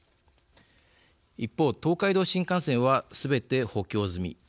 一方、東海道新幹線はすべて補強済み。